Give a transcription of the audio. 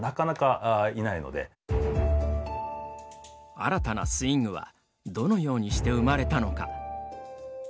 新たなスイングはどのようにして生まれたのか。